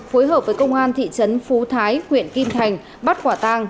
phối hợp với công an thị trấn phú thái huyện kim thành bắt quả tang